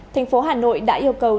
thành phố hà nội đã yêu cầu